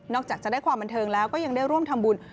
จากจะได้ความบันเทิงแล้วก็ยังได้ร่วมทำบุญ